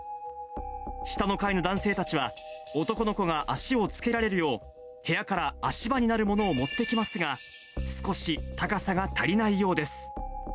下の階の男性たちは、男の子が足をつけられるよう、部屋から足場になるものを持ってきますが、少し高さが足りないようです。